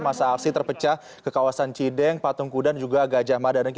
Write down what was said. masa aksi terpecah ke kawasan cideng patungkudan juga gajah mada